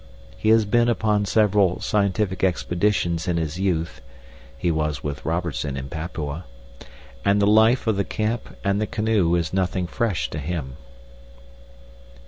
He has been upon several scientific expeditions in his youth (he was with Robertson in Papua), and the life of the camp and the canoe is nothing fresh to him.